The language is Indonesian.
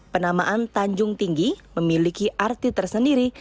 penamaan tanjung tinggi memiliki arti tersendiri